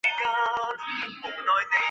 圣皮耶尔多里拉克。